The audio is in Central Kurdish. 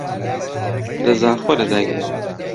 لە زاخۆ لەدایک بووم.